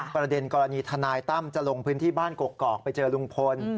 ประเด็นกรณีทนายตั้มจะลงพื้นที่บ้านกกอกไปเจอลุงพล